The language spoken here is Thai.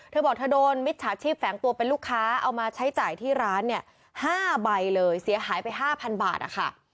เธอบอกเธอโดนมิจฉาชีพแฝงตัวเป็นลูกค้าเอามาใช้จ่ายที่ร้านเนี่ย๕ใบเลยเสียหายไป๕๐๐บาทนะคะ